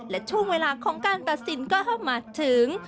และช่วงเวลาของการตัดสินก็เข้ามาถึง